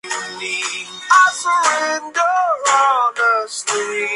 Actualmente juega en el Club Deportivo Lugo de la Segunda División de España.